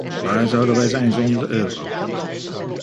Waar zouden wij zijn zonder de euro?